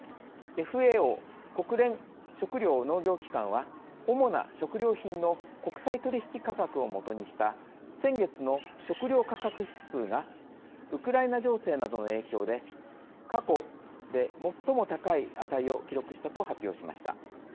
ＦＡＯ＝国連食糧農業機関は主な食料品の国際取引価格を基にした先月の「食料価格指数」がウクライナ情勢などの影響で過去で最も高い値を記録しました。